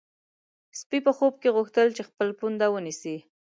سپی په خوب کې غوښتل چې خپل پونده ونیسي.